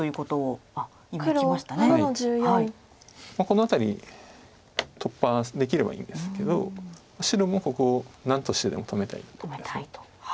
この辺り突破できればいいんですけど白もここ何としてでも止めたいと思います。